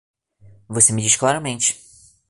Você me diz claramente